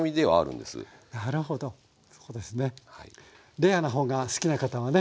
レアな方が好きな方はね。